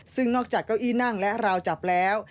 ซึ่งนอกจากเก้าอี้นั่งและราวจับแล้ว